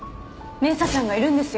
明紗ちゃんがいるんですよ